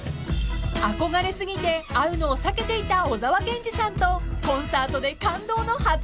［憧れすぎて会うのを避けていた小沢健二さんとコンサートで感動の初対面］